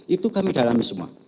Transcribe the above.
itu kami dalami semua